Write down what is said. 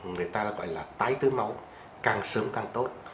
người ta gọi là tái tớ máu càng sớm càng tốt